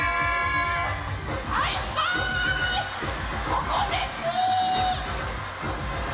ここです！